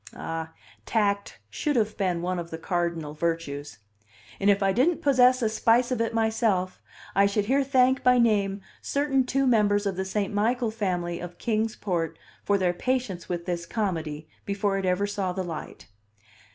Ah, tact should have been one of the cardinal virtues; and if I didn't possess a spice of it myself, I should here thank by name certain two members of the St. Michael family of Kings Port for their patience with this comedy, before ever it saw the light.